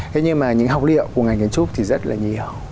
thế nhưng mà những học liệu của ngành kiến trúc thì rất là nhiều